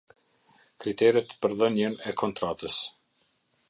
Kriteret për Dhënien e Kontratës.